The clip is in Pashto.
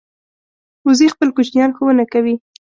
وزې خپل کوچنیان ښوونه کوي